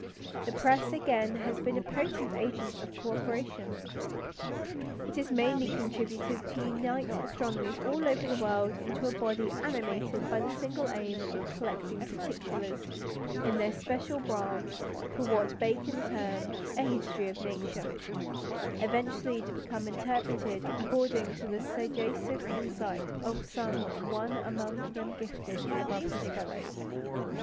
The press, again, has been a potent agent of co operation. It has mainly contributed to unite astronomers all over the world into a body animated by the single aim of collecting "particulars" in their special branch for what Bacon termed a History of Nature, eventually to be interpreted according to the sagacious insight of some one among them gifted above his fellows.